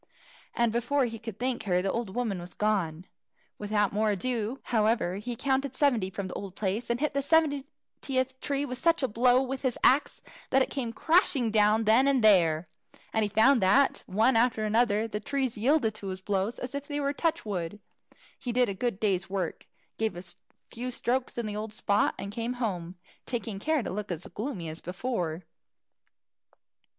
And before he could thank her, the old woman was gone. Without more ado, however, he counted seventy from the old place, and hit the seventieth tree such a blow with his axe, that it came crashing down then and there. And he found that, one after another, the trees yielded to his blows as if they were touch wood. He did a good day's work, gave a few strokes in the old spot, and came home, taking care to look as gloomy as before.